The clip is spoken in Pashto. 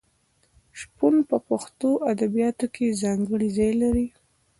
شپون په پښتو ادبیاتو کې ځانګړی ځای لري.